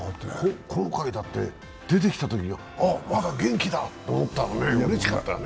今回だって、出てきたときまだ元気だと思った、うれしかったね。